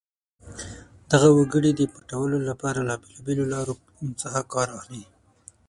دغه وګړي د پټولو لپاره له بېلابېلو لارو څخه کار اخلي.